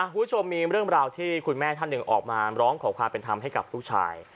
คุณผู้ชมมีเรื่องราวที่คุณแม่ท่านหนึ่งออกมาร้องขอความเป็นธรรมให้กับผู้ชาย